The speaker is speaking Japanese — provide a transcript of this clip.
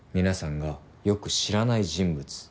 皆さんがよく知らない人物。